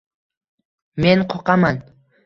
Men qoqaman.